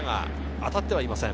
当たってはいません。